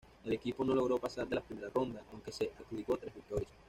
El equipo no logró pasar de la primera ronda, aunque se adjudicó tres victorias.